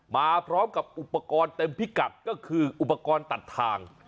มาพร้อมกับอุปกรณ์เต็มพิกัดก็คืออุปกรณ์ตัดทาง